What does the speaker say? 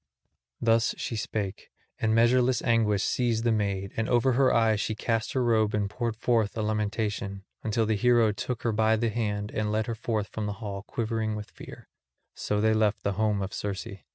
Thus she spake, and measureless anguish seized the maid; and over her eyes she cast her robe and poured forth a lamentation, until the hero took her by the hand and led her forth from the hall quivering with fear. So they left the home of Circe.